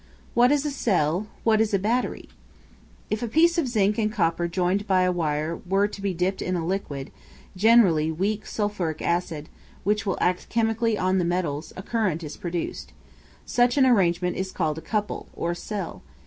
What is a Cell; what a Battery? If a piece of zinc and copper joined by a wire be dipped in a liquid generally weak sulphuric acid which will act chemically on the metals, a current is produced. Such an arrangement is called a couple, or cell.